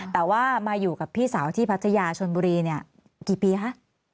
แต่ว่ามาอยู่กับพี่สาวที่พัทยาชนบุรีเนี่ยกี่ปีคะ